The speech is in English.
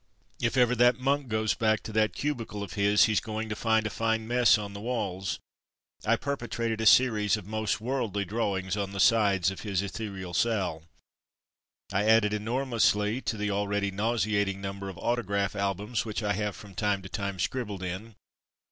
If ever that monk goes back to that cubicle of his, he's going to find a fine mess on the walls. I perpetrated a series of most worldly draw ings on the sides of his ethereal cell. Monastic Seclusion 137 I added enormously to the already nau seating number of autograph albums which I have from time to time scribbled in.